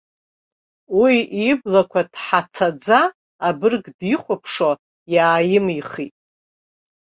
Уи иблақәа ҭҳацаӡа абырг дихәаԥшуа иааимихит.